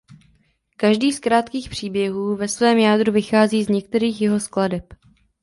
Každý z krátkých příběhů ve svém jádru vychází z některých jeho skladeb.